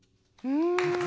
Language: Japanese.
うん。